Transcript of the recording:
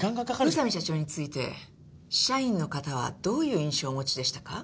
宇佐美社長について社員の方はどういう印象をお持ちでしたか？